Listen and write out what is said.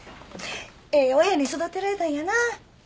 ええ親に育てられたんやな。